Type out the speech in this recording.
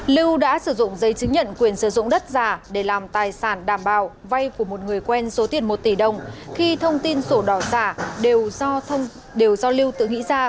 lưu đã sử dụng giấy chứng nhận quyền sử dụng đất giả để làm tài sản đảm bảo vay của một người quen số tiền một tỷ đồng khi thông tin sổ đỏ giả đều do lưu tự nghĩ